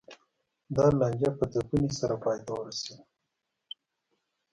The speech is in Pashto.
دا لانجه په ځپنې سره پای ته ورسېده.